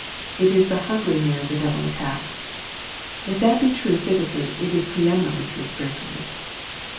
It is the hungry man the devil attacks. If that be true physically, it is preeminently true spiritually.